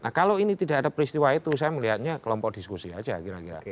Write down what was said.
nah kalau ini tidak ada peristiwa itu saya melihatnya kelompok diskusi saja kira kira